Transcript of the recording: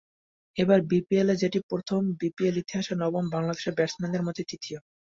এবার বিপিএলে যেটি প্রথম, বিপিএল ইতিহাসে নবম, বাংলাদেশের ব্যাটসম্যানদের মধ্যে তৃতীয়।